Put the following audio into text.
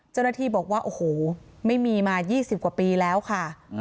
เจ้าหน้าที่บอกว่าโอ้โหไม่มีมา๒๐กว่าปีแล้วค่ะ